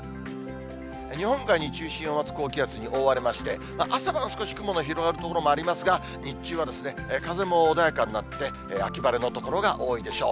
日本海に中心を持つ高気圧に覆われまして、朝晩少し雲の広がる所もありますが、日中は風も穏やかになって、秋晴れの所が多いでしょう。